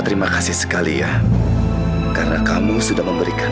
terima kasih sekali ya karena kamu sudah memberikan